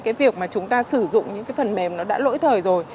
cái việc mà chúng ta sử dụng những cái phần mềm nó đã lỗi thời rồi